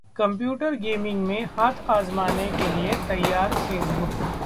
computer gaming में हाथ आजमाने के लिए तैयार फेसबुक